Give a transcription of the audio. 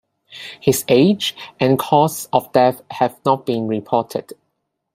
His age and cause of death have not been reported.